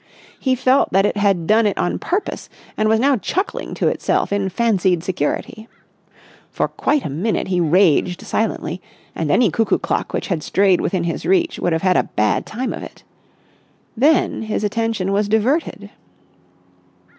He felt that it had done it on purpose and was now chuckling to itself in fancied security. For quite a minute he raged silently, and any cuckoo clock which had strayed within his reach would have had a bad time of it. Then his attention was diverted.